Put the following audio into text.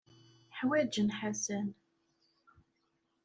Ḥwajen Ḥasan.